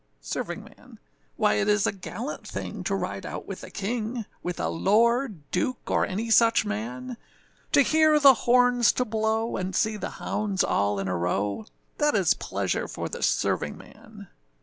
SERVINGMAN. Why it is a gallant thing to ride out with a king, With a lord, duke, or any such man; To hear the horns to blow, and see the hounds all in a row, That is pleasure for the servingman.